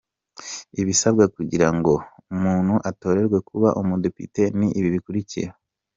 Ibisabwa kugira ngo umuntu atorerwe kuba Umudepite ni ibi bikurikira:.